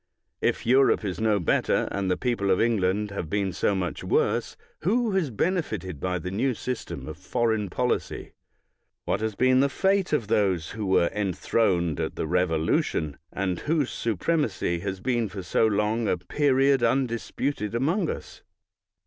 If Europe is no better, and the people of England have been so much worse, who has benefited by the new system of foreign policy? What has been the fate of those who were enthroned at the Revolution, and whose supremacy has been for so long a period undisputed among us?